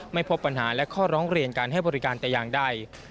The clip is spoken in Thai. ไม่พบปัญหาและข้อร้องเรียนการให้บริการแต่อย่างใด